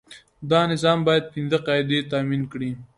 دا نظام باید پنځه قاعدې تامین کړي.